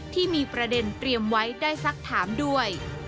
ที่มีประเด็นเตรียมไว้ได้สักถามด้วย